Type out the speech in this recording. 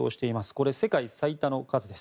これ、世界最多の数です。